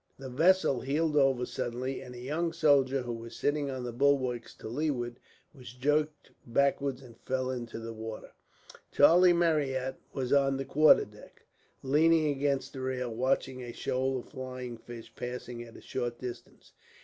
The vessel heeled over suddenly, and a young soldier, who was sitting on the bulwarks to leeward, was jerked backwards and fell into the water. Charlie Marryat was on the quarterdeck, leaning against the rail, watching a shoal of flying fish passing at a short distance.